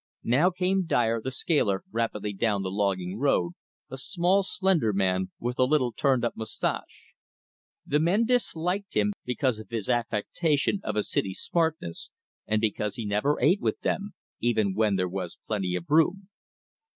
Now came Dyer, the scaler, rapidly down the logging road, a small slender man with a little, turned up mustache. The men disliked him because of his affectation of a city smartness, and because he never ate with them, even when there was plenty of room.